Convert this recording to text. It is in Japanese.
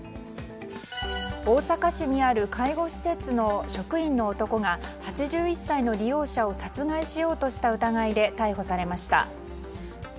大阪市にある介護施設の職員の男が８１歳の利用者を殺害しようとした疑いで逮捕されました。